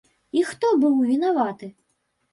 І хто быў вінаваты?